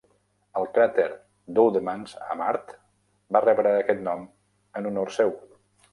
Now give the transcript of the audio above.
El cràter d'Oudemans a Mart va rebre aquest nom en honor seu.